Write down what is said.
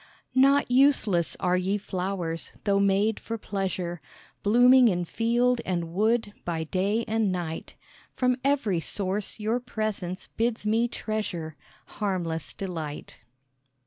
"Not useless are ye flowers, though made for pleasure, Blooming in field and wood by day and night; From every source your presence bids me treasure Harmless delight."